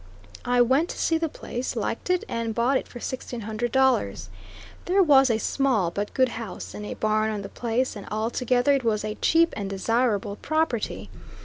I went to see the place, liked it, and bought it for sixteen hundred dollars. There was a small but good house and a barn on the place, and altogether it was a cheap and desirable property.